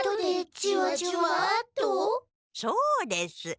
そうです。